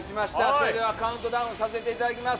それではカウントダウンさせていただきます。